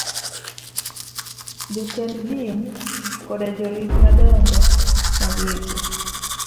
Jotend din koda jorit madongo mag weche